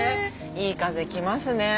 いい風来ますね